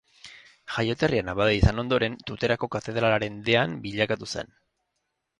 Jaioterrian abadea izan ondoren, Tuterako katedralaren dean bilakatu zen.